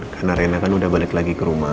karena rena kan udah balik lagi ke rumah